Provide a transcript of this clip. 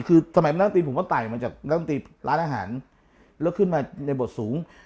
คือสมัยนักดนตรีผมตายมาจากนักดนตรีร้านอาหารแล้วขึ้นมาในบทสูง